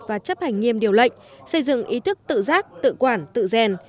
và chấp hành nghiêm điều lệnh xây dựng ý thức tự giác tự quản tự rèn